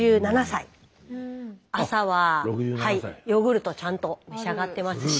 朝はヨーグルトちゃんと召し上がってますし。